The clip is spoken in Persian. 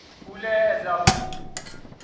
پول اضافی